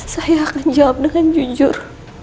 saya akan jawab dengan jujur